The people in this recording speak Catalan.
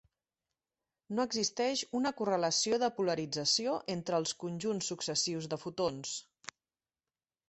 No existeix una correlació de polarització entre els conjunts successius de fotons.